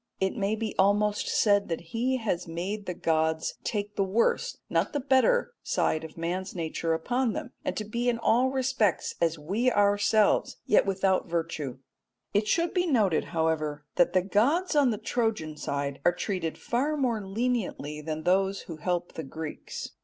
It may be almost said that he has made the gods take the worse, not the better, side of man's nature upon them, and to be in all respects as we ourselves yet without virtue. It should be noted, however, that the gods on the Trojan side are treated far more leniently than those who help the Greeks.